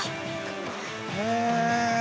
へえ。